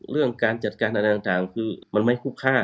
เรื่องการจัดการอะไรต่างคือมันไม่คุ้มค่า